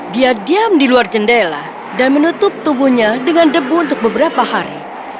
dia diam di luar jendela dan menutup tubuhnya dengan debu untuk beberapa hari